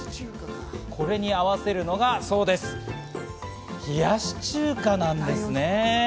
これに合わせるのがそうです、冷やし中華なんですね。